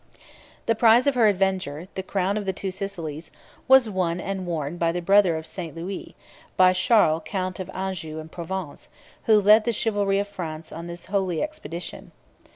The prize of her avenger, the crown of the Two Sicilies, was won and worn by the brother of St Louis, by Charles count of Anjou and Provence, who led the chivalry of France on this holy expedition.